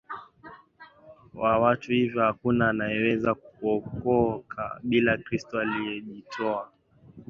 wa watu hivyo hakuna anayeweza kuokoka bila Kristo aliyejitoa